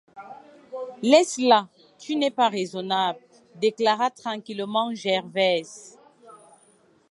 Laisse-la, tu n'es pas raisonnable, déclara tranquillement Gervaise.